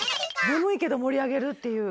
眠いけど盛り上げるっていう。